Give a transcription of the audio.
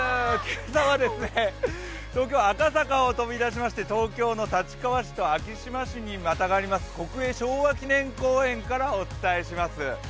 今朝は東京・赤坂を飛び出しまして東京の立川市と昭島市にまたがります国営昭和記念公園からお伝えします。